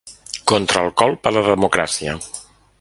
Contra el colp a la democràcia.